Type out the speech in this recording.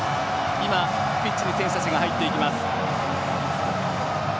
今、ピッチに選手たちが入っていきます。